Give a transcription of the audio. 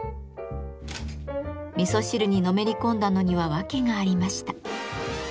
味噌汁にのめり込んだのには訳がありました。